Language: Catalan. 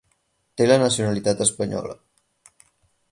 Té la nacionalitat espanyola.